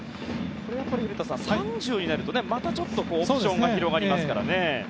これは３０になるとまたちょっとオプションが広がりますからね。